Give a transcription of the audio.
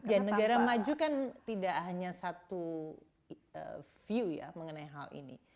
ya negara maju kan tidak hanya satu view ya mengenai hal ini